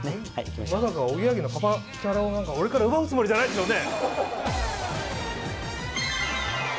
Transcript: まさかおぎやはぎのパパキャラを俺から奪うつもりじゃないでしょうね